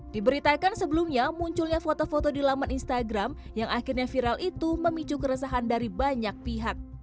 diberitakan sebelumnya munculnya foto foto di laman instagram yang akhirnya viral itu memicu keresahan dari banyak pihak